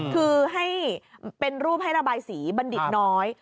คือเป็นรูปให้ระบายสีบรรดิกน้อย